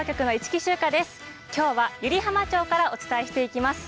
今日は湯梨浜町からお伝えしていきます。